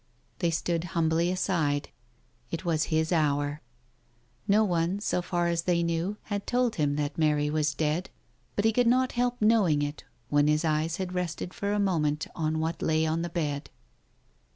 They stood humbly aside; it was his hour. No one, so far as they knew, had told him that Mary was dead, but he could not help knowing it when his eyes had rested for a moment on what lay on the bed.